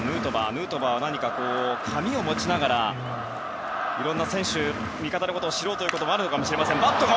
ヌートバーは何か紙を持ちながらいろんな選手、味方のことを知ろうということもあるかもしれません。